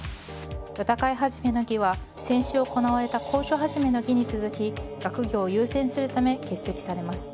歌会始の儀は、先週行われた講書始の儀に続き学業を優先するため欠席されます。